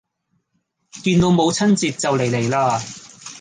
見到母親節就嚟嚟啦